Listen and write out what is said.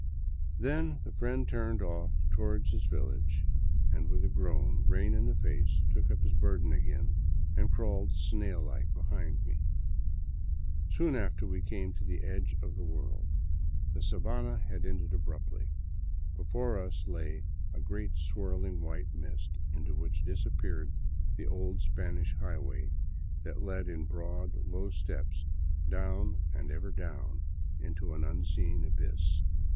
Then the friend turned off toward his village and with a groan " Rain in the Face '^ took up his burden again and crawled snail like behind me. Soon after we came to the edge of the world. The sabana had ended abruptly. Before us lay only a great swirling white mist into which disappeared the old Spanish highway that led in broad, low steps down and ever down into an unseen abyss.